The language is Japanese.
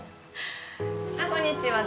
ああこんにちは。